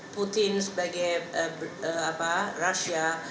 putin sebagai russia